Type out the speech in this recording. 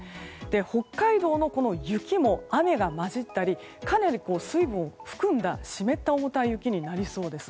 北海道の雪も雨が交じったりかなり水分を含んだ湿った重たい雪になりそうです。